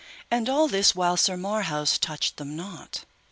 And all this while Sir Marhaus touched them not.